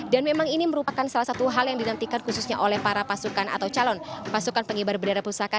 dan memang ini merupakan salah satu hal yang dinantikan khususnya oleh para pasukan atau calon pasukan pengibar berdarah pusaka